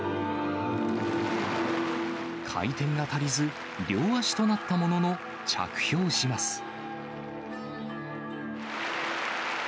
回転が足りず、両足となったものの着氷します。